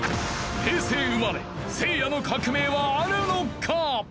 平成生まれせいやの革命はあるのか！？